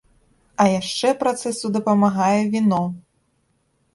А яшчэ працэсу дапамагае віно!